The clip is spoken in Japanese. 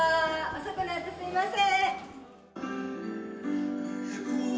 遅くなってすいません。